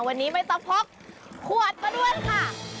วันนี้ไม่ต้องพกขวดมาด้วยค่ะ